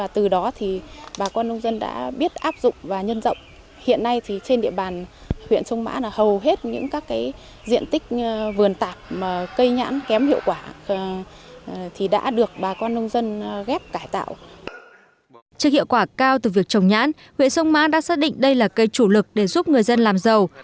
trước hiệu quả cao từ việc trồng nhãn huyện sông mã đã xác định đây là cây chủ lực để giúp người dân làm giàu